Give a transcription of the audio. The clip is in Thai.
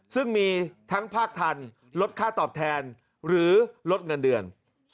ซึ่งมีทั้งภาคทันลดค่าตอบแทนหรือลดเงินเดือน